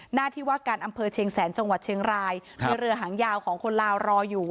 หน้าที่ว่าการอำเภอเชียงแสนจังหวัดเชียงรายมีเรือหางยาวของคนลาวรออยู่